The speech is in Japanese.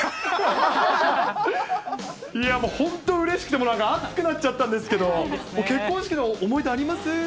本当、うれしくて、暑くなっちゃったんですけど、結婚式の思い出あります？